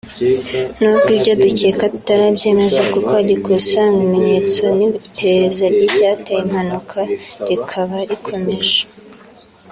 Nubwo ibyo dukeka tutarabyemeza kuko hagikusanywa ibimenyetso n'iperereza ry'icyateye impanuka rikaba rikomeje